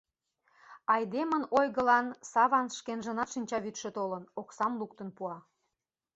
Айдемын ойгылан Саван шкенжынат шинчавӱдшӧ толын, оксам луктын пуа.